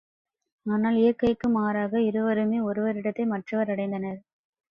ஆனால் இயற்கைக்கு மாறாக இருவருமே ஒருவரிடத்தை மற்றவர் அடைந்தனர்.